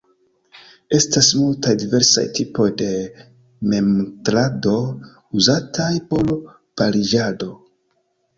Estas multaj diversaj tipoj de memmontrado uzataj por pariĝado.